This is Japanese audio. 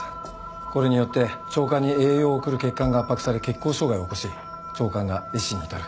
これによって腸管に栄養を送る血管が圧迫され血行障害を起こし腸管が壊死に至る。